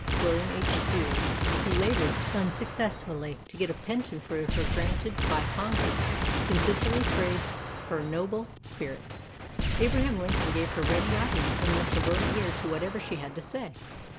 William H. Seward, who labored, though unsuccess fully, to get a pension for her granted by Congress, consistently praised her noble spirit. Abraham Lincoln gave her ready audience and lent a willing ear to whatever she had to say.